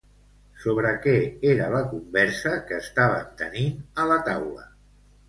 Sobre què era la conversa que estaven tenint a la taula?